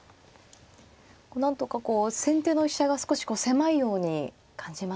なんとかこう先手の飛車が少しこう狭いように感じますね。